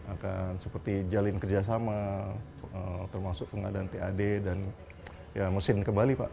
akan seperti jalin kerjasama termasuk pengadaan tad dan mesin ke bali pak